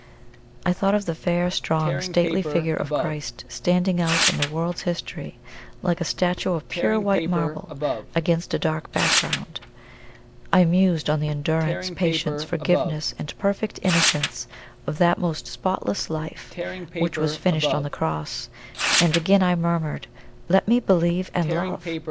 I thought of the fair, strong, stately figure of Christ, standing out in the world's history, like a statue of pure white marble against a dark background; I mused on the endurance, patience, forgiveness, and perfect innocence of that most spotless life which was finished on the cross, and again I murmured, "Let me believe and love!"